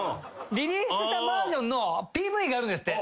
リリースしたバージョンのＰＶがあるんですって。